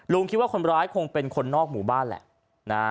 คิดว่าคนร้ายคงเป็นคนนอกหมู่บ้านแหละ